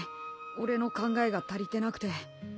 俺の考えが足りてなくて。